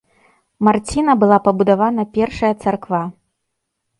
Марціна была пабудавана першая царква.